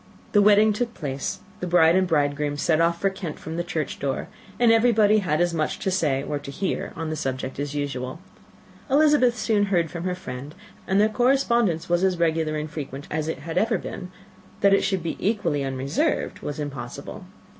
The wedding took place: the bride and bridegroom set off for Kent from the church door, and everybody had as much to say or to hear on the subject as usual. Elizabeth soon heard from her friend, and their correspondence was as regular and frequent as it ever had been: that it should be equally unreserved was impossible.